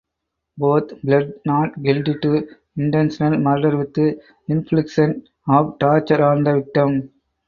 Both pled not guilty to intentional murder with infliction of torture on the victim.